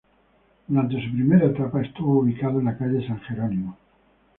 Durante su primera etapa estuvo ubicado en la calle San Jerónimo.